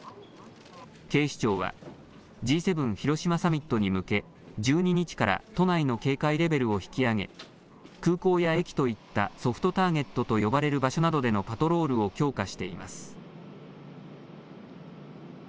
警視庁はＧ７広島サミットに向け１２日から都内の警戒レベルを引き上げ空港や駅といったソフトターゲットと呼ばれる場所などでのパトロールを強化しています。